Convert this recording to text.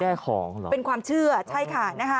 แก้ของเหรอเป็นความเชื่อใช่ค่ะ